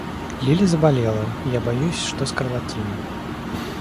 Лили заболела, и я боюсь, что скарлатина.